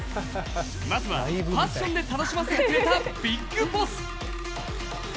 まずはファッションで楽しませてくれたビッグボス。